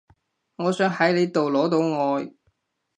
我想喺你度攞到愛